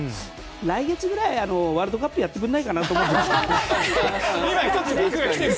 来月くらい、ワールドカップやってくれないかなと思います。